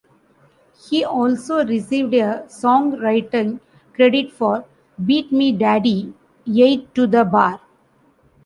He also received a songwriting credit for "Beat Me Daddy, Eight to the Bar".